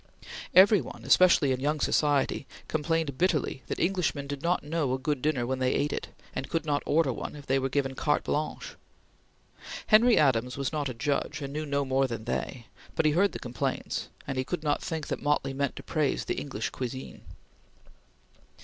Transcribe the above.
Every one, especially in young society, complained bitterly that Englishmen did not know a good dinner when they ate it, and could not order one if they were given carte blanche. Henry Adams was not a judge, and knew no more than they, but he heard the complaints, and he could not think that Motley meant to praise the English cuisine.